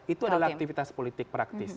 itu adalah aktivitas politik praktis